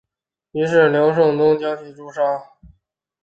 于是辽圣宗将其诛杀。